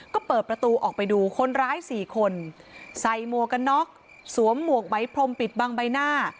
ก็เปิดประตูออกไปดูคนร้ายสี่คนใส่หมวกกันน็อกสวมหมวกไหมพรมปิดบังใบหน้า